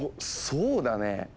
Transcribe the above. そうだねぇ。